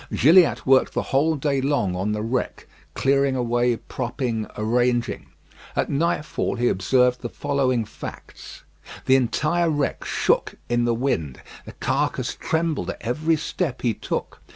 Gilliatt worked the whole day long on the wreck, clearing away, propping, arranging. At nightfall he observed the following facts: The entire wreck shook in the wind. The carcass trembled at every step he took.